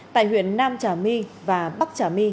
tại huyện nam trà my và bắc trà my